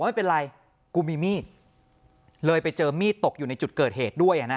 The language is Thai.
ไม่เป็นไรกูมีมีดเลยไปเจอมีดตกอยู่ในจุดเกิดเหตุด้วย